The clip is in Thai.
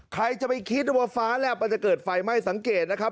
ใครจะไปคิดว่าฟ้าแลบมันจะเกิดไฟไหม้สังเกตนะครับ